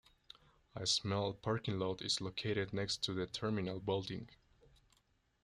A small parking lot is located next to the terminal building.